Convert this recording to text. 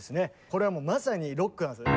これはもうまさにロックなんです。